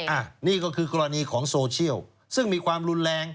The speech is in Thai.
อันนี้ก็คือกรณีของโซเชียลซึ่งมีความรุนแรง